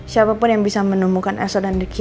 siapapun yang bisa menemukan eso dan ricky